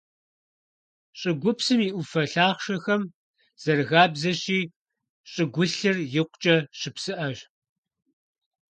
ЩӀыгупсым и Ӏуфэ лъахъшэхэм, зэрахабзэщи, щӀыгулъыр икъукӀэ щыпсыӀэщ.